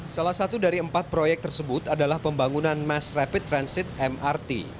salah satu dari empat proyek tersebut adalah pembangunan mass rapid transit mrt